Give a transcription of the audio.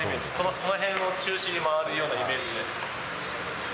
このへんを中心に回るようなイメージで。